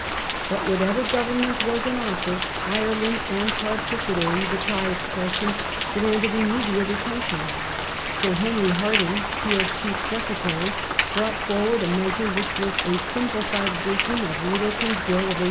But whatever Government was in office, Ireland, and particularly the Ti the^^uestion , demanded immediate attention. Sir Henry Hardinge, Peel's Chief Secretary, brought forward a measure which was a simplified edition of Littleton's Bill of 1834.